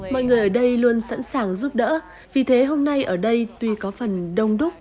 mọi người ở đây luôn sẵn sàng giúp đỡ vì thế hôm nay ở đây tuy có phần đông đúc